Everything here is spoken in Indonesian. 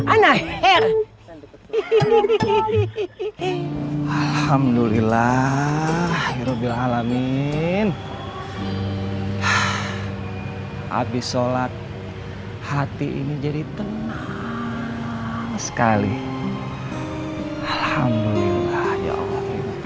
alhamdulillah ya rabbil alamin habis sholat hati ini jadi tenang sekali alhamdulillah ya allah